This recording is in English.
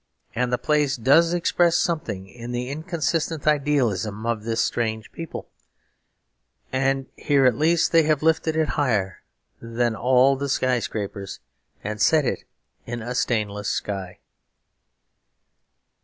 And the place does express something in the inconsistent idealism of this strange people; and here at least they have lifted it higher than all the sky scrapers, and set it in a stainless sky.